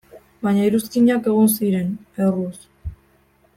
Baina iruzkinak egon ziren, erruz.